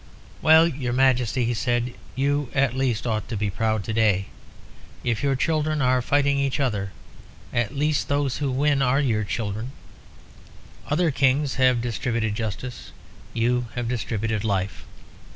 "Well, your Majesty," he said, "you at least ought to be proud to day. If your children are fighting each other, at least those who win are your children. Other kings have distributed justice, you have distributed life.